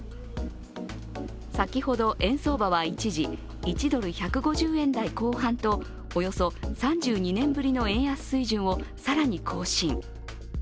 先ほど円相場は一時１ドル＝１５０円台後半とおよそ３２年ぶりの円安水準を更に更新。